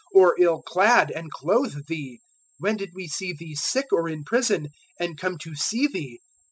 or ill clad, and clothe Thee? 025:039 When did we see Thee sick or in prison, and come to see Thee?'